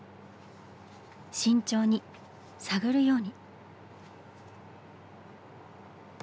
慎重に探るように。